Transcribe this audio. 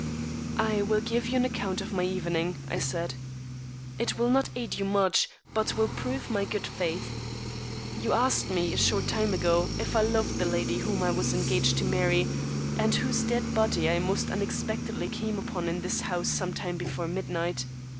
"I will give you an account of my evening," said I. "It will not aid you much, but will prove my good faith. You asked me a short time ago if I loved the lady whom I was engaged to marry and whose dead body I most unexpectedly came upon in this house some time before midnight.